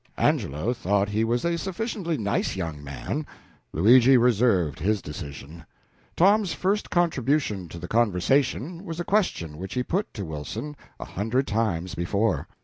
Angelo thought he was a sufficiently nice young man; Luigi reserved his decision. Tom's first contribution to the conversation was a question which he had put to Wilson a hundred times before.